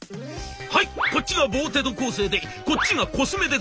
「はいこっちがボーテ・ド・コーセーでこっちがコスメデコルテ。